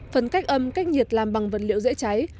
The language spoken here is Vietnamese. phần cách âm cách nhiệt làm bằng vật liệu dễ cháy